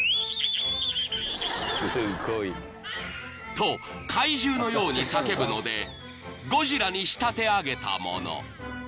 ［と怪獣のように叫ぶのでゴジラに仕立て上げたもの］